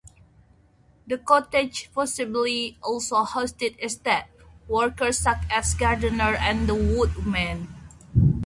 The cottages possibly also housed estate workers such as gardeners and the wood men.